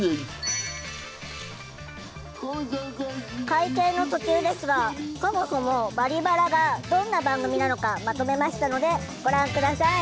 会見の途中ですがそもそも「バリバラ」がどんな番組なのかまとめましたのでご覧下さい。